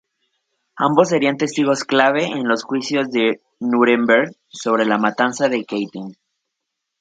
Ambos serían testigos clave en los juicios de Núremberg sobre la matanza de Katyn.